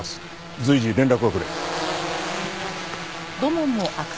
随時連絡をくれ。